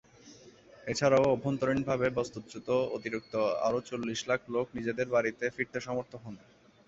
এছাড়াও অভ্যন্তরীণভাবে বাস্তুচ্যুত অতিরিক্ত আরও চল্লিশ লাখ লোক নিজেদের বাড়িতে ফিরতে সমর্থ হন।